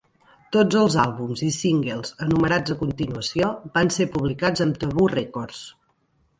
Tots els àlbums i singles enumerats a continuació van ser publicats amb Tabu Records.